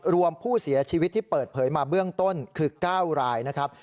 รวมผู้เสียชีวิตที่เปิดเผยมาเบื้องต้นคือ๙รายนะครับ